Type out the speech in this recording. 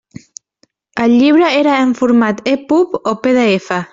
El llibre era en format EPUB o PDF?